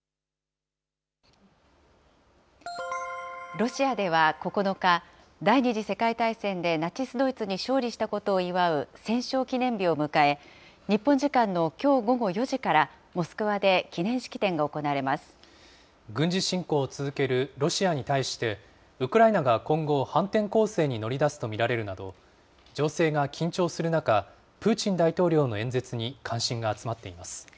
ロシアでは９日、第２次世界大戦でナチス・ドイツに勝利したことを祝う戦勝記念日を迎え、日本時間のきょう午後４時から、モスクワで記念式典が行軍事侵攻を続けるロシアに対して、ウクライナが今後、反転攻勢に乗り出すと見られるなど、情勢が緊張する中、プーチン大統領の演説に関心が集まっています。